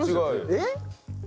えっ？